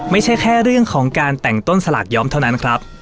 ไม่ใช่แค่เรื่องของการแต่งต้นสลากย้อมเท่านั้นครับ